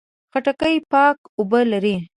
خټکی پاکه اوبه لري.